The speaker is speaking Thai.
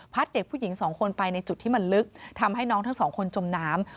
เด็กผู้หญิงสองคนไปในจุดที่มันลึกทำให้น้องทั้งสองคนจมน้ำ